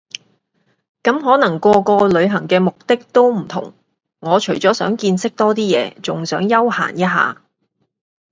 咁可能個個旅行嘅目的都唔同我除咗想見識多啲嘢，仲想休閒一下